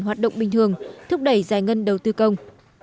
hoạt động bình thường thúc đẩy giải ngân đầu tư công